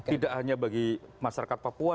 tidak hanya bagi masyarakat papua